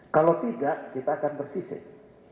kalau tidak kita akan bersisik